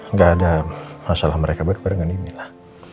nggak ada masalah mereka berperempuan ini lah